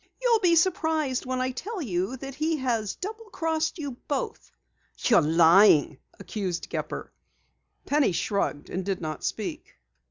"You'll be surprised when I tell you that he has double crossed you both!" "You're lying," accused Gepper. Penny shrugged and did not speak.